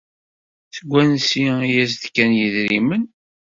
Seg wansi ay as-d-kkan yidrimen?